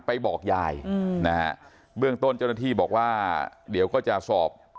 บอกยายอืมนะฮะเบื้องต้นเจ้าหน้าที่บอกว่าเดี๋ยวก็จะสอบ